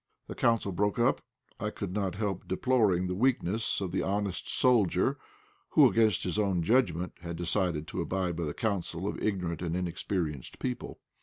The council broke up. I could not help deploring the weakness of the honest soldier who, against his own judgment, had decided to abide by the counsel of ignorant and inexperienced people.